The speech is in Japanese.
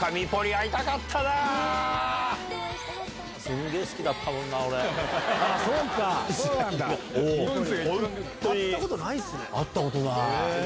会ったことないですか。